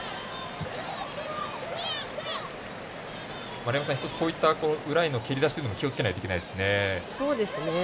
丸山さん一つこういった裏への蹴り出しっていうのも気をつけないといけないですね。